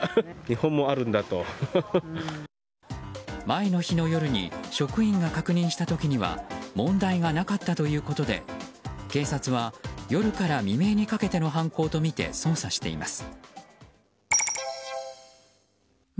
前の日の夜に職員が確認した時には問題がなかったということで警察は夜から未明にかけての犯行とみて捜査しています。